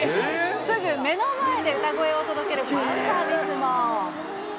すぐ目の前で歌声を届けるファンサービスも。